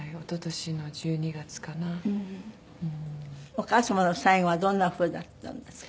お母様の最期はどんな風だったんですか？